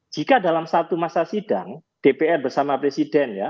jika dalam satu masa sidang dpr bersama presiden ya